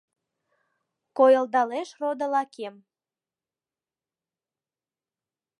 Койылдалеш родылакем.